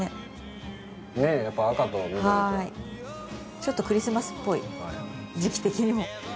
ちょっとクリスマスっぽい時期的にも。